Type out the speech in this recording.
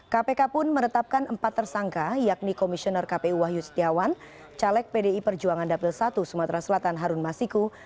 kpk pun menetapkan empat tersangka yakni komisioner kpu wahyu setiawan caleg pdi perjuangan dapil satu sumatera selatan harun masiku